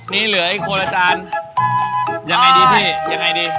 นี่เหลืออีกคนอาจารย์ยังไงดีพี่ยังไงดี